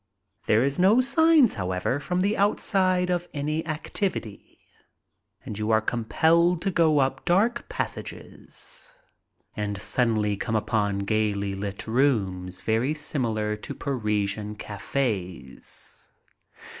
There are no signs, however, from the outside of any activity, and you are compelled to go up dark passages an4 I20 MY TRIP ABROAD suddenly come upon gayly lit rooms very similar to Parisian cafes.